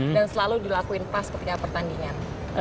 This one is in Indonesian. dan selalu dilakuin pas ketika pertandingan